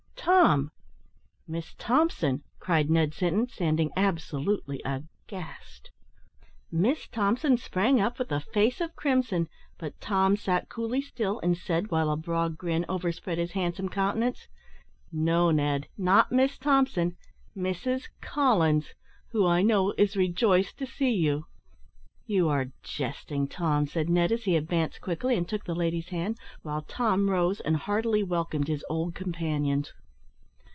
"Tom! Miss Thompson!" cried Ned Sinton, standing absolutely aghast. Miss Thompson sprang up with a face of crimson, but Tom sat coolly still, and said, while a broad grin overspread his handsome countenance, "No, Ned, not Miss Thompson Mrs Collins, who, I know, is rejoiced to see you." "You are jesting, Tom," said Ned, as he advanced quickly, and took the lady's hand, while Tom rose and heartily welcomed his old companions.